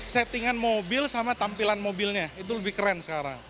settingan mobil sama tampilan mobilnya itu lebih keren sekarang